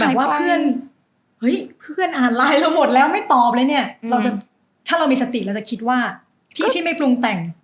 อย่างแบบว่าเพื่อนอ่านไลน์เราหมดแล้วไม่ตอบเลยเนี่ยถ้าเรามีสติเราจะคิดว่าที่ไม่ปรุงแต่ง